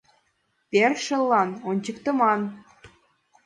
— Першыллан ончыктыман.